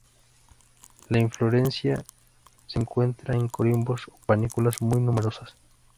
La inflorescencia se encuentra en corimbos o panículas muy numerosas.